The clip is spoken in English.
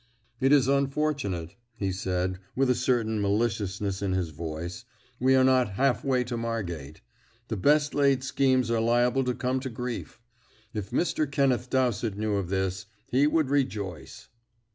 "It is unfortunate," he said, with a certain maliciousness in his voice; "we are not half way to Margate. The best laid schemes are liable to come to grief. If Mr. Kenneth Dowsett knew of this, he would rejoice."